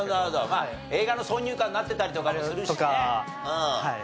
まあ映画の挿入歌になってたりとかもするしね。とかはい。